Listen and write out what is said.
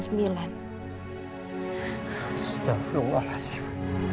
suster allah alazim